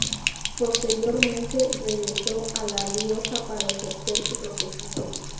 Posteriormente regresó a La Rioja para ejercer su profesión.